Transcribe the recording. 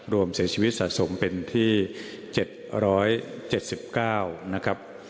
รวมเสียชีวิตสะสมเป็นที่๗๗๙นะครับ